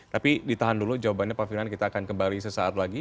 tapi ditahan dulu jawabannya pak firman kita akan kembali sesaat lagi